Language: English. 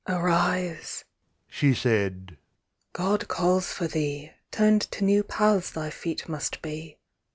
"Arise," she said "God calls for thee, Turned to new paths thy feet must be.